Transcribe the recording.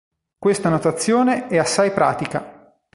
Questa notazione è assai pratica.